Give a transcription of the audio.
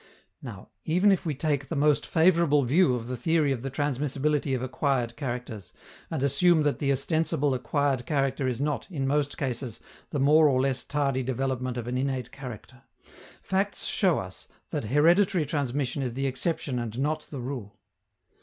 Now, even if we take the most favorable view of the theory of the transmissibility of acquired characters, and assume that the ostensible acquired character is not, in most cases, the more or less tardy development of an innate character, facts show us that hereditary transmission is the exception and not the rule.